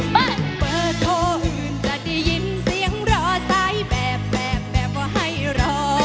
เปิดโทรหื่นจะได้ยินเสียงรอซ้ายแบบแบบว่าให้รอ